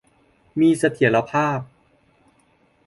มีเสถียรภาพ